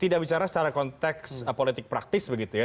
tidak bicara secara konteks politik praktis begitu ya